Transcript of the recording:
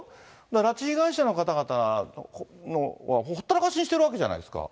だから拉致被害者の方々、ほったらかしにしてるわけじゃないですか。